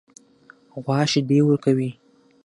غوا شیدې ورکوي.